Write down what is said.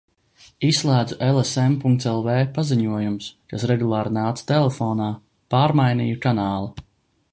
Izslēdzu lsm. lv paziņojumus, kas regulāri nāca telefonā, pārmainīju kanālu.